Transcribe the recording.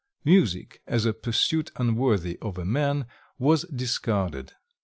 Music, as a pursuit unworthy of a man, was discarded.